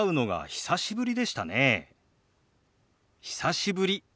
久しぶり。